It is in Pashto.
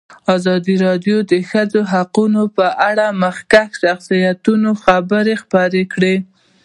ازادي راډیو د د ښځو حقونه په اړه د مخکښو شخصیتونو خبرې خپرې کړي.